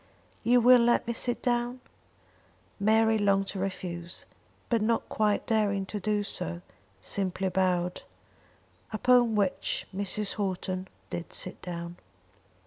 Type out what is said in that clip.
"You will let me sit down?" Mary longed to refuse; but, not quite daring to do so, simply bowed, upon which Mrs. Houghton did sit down.